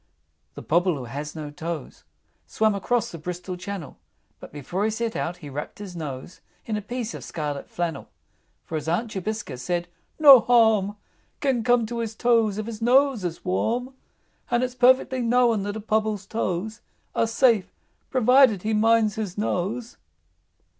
II. The Pobble who has no toes, Swam across the Bristol Channel; But before he set out he wrapped his nose In a piece of scarlet flannel. For his Aunt Jobiska said, "No harm Can come to his toes if his nose is warm; And it's perfectly known that a Pobble's toes Are safe provided he minds his nose."